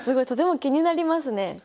とても気になりますね。